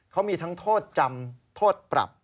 เขามีทั้งโทษจำโทษปรับ